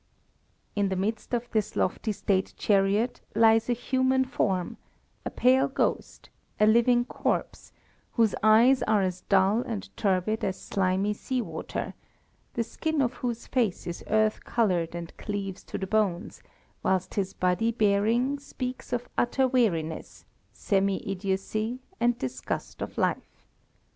In the midst of this lofty State chariot lies a human form, a pale ghost, a living corpse, whose eyes are as dull and turbid as slimy sea water; the skin of whose face is earth coloured and cleaves to the bones, whilst his whole bearing speaks of utter weariness, semi idiocy, and disgust of life.